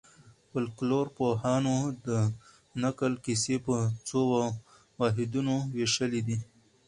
فولکلورپوهانو د نکل کیسې په څو واحدونو وېشلي دي.